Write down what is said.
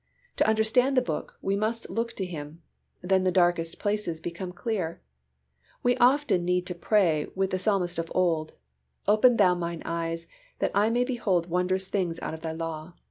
To understand the Book, we must look to Him, then the darkest places become clear. We often need to pray with the Psalmist of old, "Open Thou mine eyes, that I may behold wondrous things out of Thy law" (Ps.